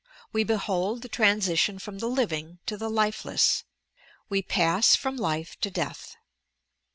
We behold the tran sition from the living to the lifeless, we pass from life to death.